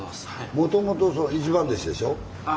もともと一番弟子でしょ？